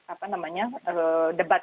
apa namanya debat